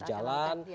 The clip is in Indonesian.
kita akan lakukan